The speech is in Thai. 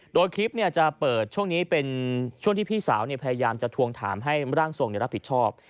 โดยคลิปจะเปิดช่วงนี้เป็นช่วงที่พี่สาวพยายามจะทวงถามให้ร่างทรงรับผิดชอบ